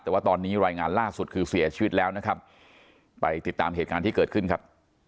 แต่ว่าตอนนี้รายงานล่าสุดคือเสียชีวิตแล้วนะครับไปติดตามเหตุการณ์ที่เกิดขึ้นครับ